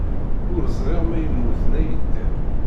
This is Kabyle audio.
Ur ẓriɣ ma yemmut neɣ yedder.